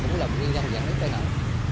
cũng là nguyên nhân dẫn đến tai nạn